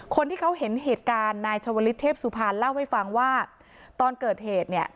คนที่เขาเห็นเหตุการณ์นายชวลิศเทพสุภานเล่าให้ฟังว่าตอนเกิดเหตุเนี่ย